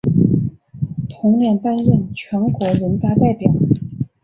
同年担任全国人大代表。